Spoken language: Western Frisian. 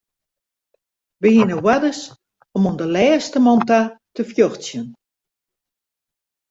Wy hiene oarders om oan de lêste man ta te fjochtsjen.